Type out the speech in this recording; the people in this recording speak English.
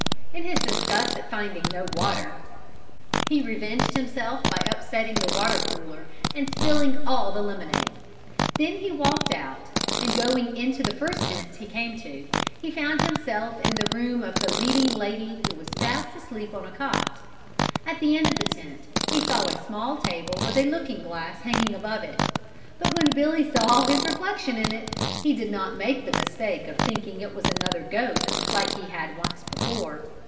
In his disgust at finding no water, he revenged himself by upsetting the water cooler and spilling all the lemonade. Then he walked out and going into the first tent he came to, he found himself in the room of the leading lady who was fast asleep on a cot. At the end of the tent he saw a small table with a looking glass hanging above it, but when Billy saw his reflection in it, he did not make the mistake of thinking it was another goat like he had once before.